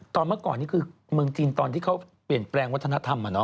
เมื่อก่อนนี่คือเมืองจีนตอนที่เขาเปลี่ยนแปลงวัฒนธรรม